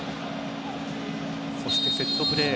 そしてセットプレー。